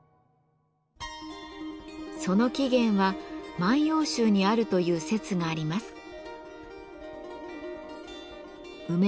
その起源は「万葉集」にあるという説があります。